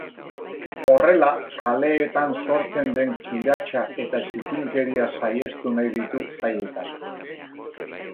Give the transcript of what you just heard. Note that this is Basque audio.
Horrela, kaleetan sortzen den kiratsa eta zikinkeria saihestu nahi ditu jaietan.